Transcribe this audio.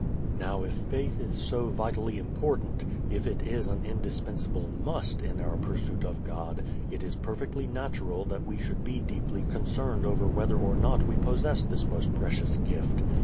Now if faith is so vitally important, if it is an indispensable must in our pursuit of God, it is perfectly natural that we should be deeply concerned over whether or not we possess this most precious gift.